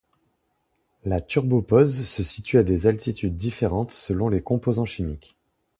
La turbopause se situe à des altitudes différentes selon les composants chimiques.